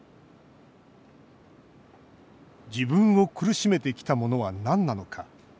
自分を苦しめてきたものはなんなのか。